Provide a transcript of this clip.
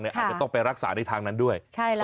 อาจจะต้องไปรักษาในทางนั้นด้วย